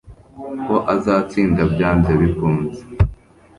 Ko azatsinda byanze bikunze